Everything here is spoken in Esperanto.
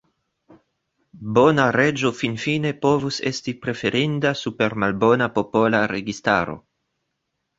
Bona reĝo finfine povus esti preferinda super malbona popola registaro.